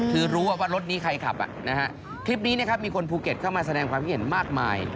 คือรู้ว่ารถนี้ใครขับนะฮะคลิปนี้นะครับมีคนภูเก็ตเข้ามาแสดงความคิดเห็นมากมาย